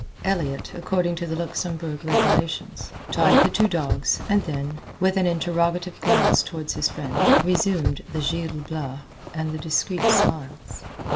Elliott, according to the Luxembourg regulations, tied the two dogs and then, with an interrogative glance toward his friend, resumed the "Gil Blas" and the discreet smiles.